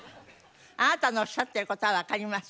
あなたのおっしゃってる事はわかります。